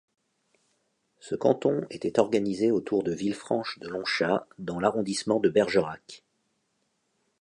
Ce canton était organisé autour de Villefranche-de-Lonchat dans l'arrondissement de Bergerac.